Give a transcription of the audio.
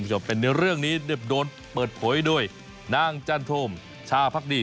เป็นเรื่องนี้เดิบโดนเปิดโผยด้วยนางจันทมชาภักดี